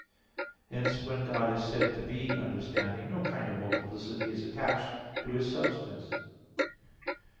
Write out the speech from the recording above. Hence when God is said to be understanding, no kind of multiplicity is attached to His substance.